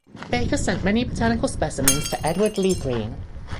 Baker sent many botanical specimens to Edward Lee Greene.